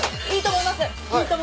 いいと思います。